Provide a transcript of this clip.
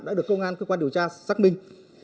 đã được công an cơ quan điều tra xác minh